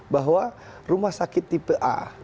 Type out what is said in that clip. bahwa rumah sakit tipe a